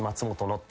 って。